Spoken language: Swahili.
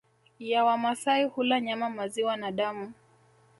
ya Wamasai hula nyama maziwa na damu